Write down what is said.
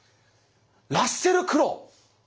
ラッセル・クロウ！